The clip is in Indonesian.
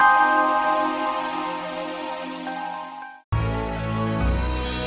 semoga berkhemah muka jepang